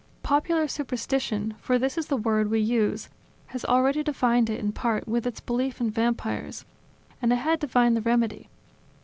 Popular superstition for this is the word we use has already divined it, in part, with its belief in Vampires, and it had divined the remedy.